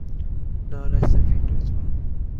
نان سفید، لطفا.